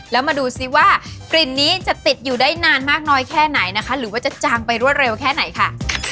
แล้วมาดูซิว่ากลิ่นนี้จะติดอยู่ได้นานมากน้อยแค่ไหนนะคะหรือว่าจะจางไปรวดเร็วแค่ไหนค่ะ